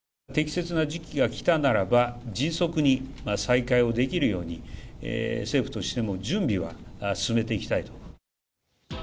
適切な時期が来たならば、迅速に再開をできるように、政府としても準備は進めていきたいと。